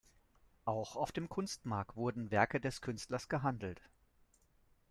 Auch auf dem Kunstmarkt wurden Werke des Künstlers gehandelt.